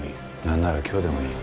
なんなら今日でもいい。